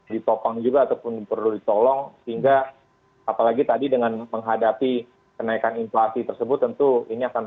ditopang juga ataupun perlu ditolong sehingga apalagi tadi dengan menghadapi kenaikan inflasi tersebut tentu ini akan